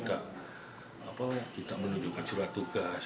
apa kita menunjukkan surat tugas